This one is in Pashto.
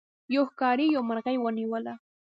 یو ښکاري یو مرغۍ ونیوله.